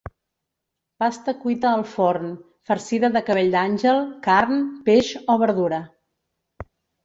Pasta cuita al forn, farcida de cabell d'àngel, carn, peix o verdura.